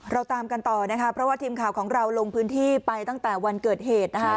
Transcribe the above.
เราตามกันต่อนะคะเพราะว่าทีมข่าวของเราลงพื้นที่ไปตั้งแต่วันเกิดเหตุนะคะ